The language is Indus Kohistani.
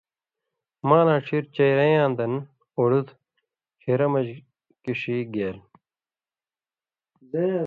مالاں ڇھیرچئی رئیاں دن اُڑُد ڇھیرہ مژ کِݜی گېل